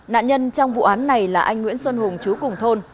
nạn nhân trong vụ án này là anh nguyễn xuân hùng chú cùng thôn